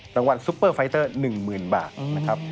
ซุปเปอร์ไฟเตอร์๑๐๐๐บาทนะครับ